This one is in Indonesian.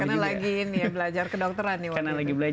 karena lagi belajar ke dokteran